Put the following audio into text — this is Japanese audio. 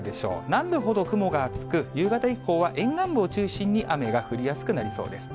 南部ほど雲が厚く、夕方以降は沿岸部を中心に雨が降りやすくなりそうです。